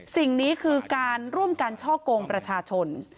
สิ่งนี้คือการร่วมกันช่อกงประชาชน